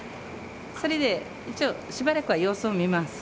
それで一応しばらくは様子を見ます。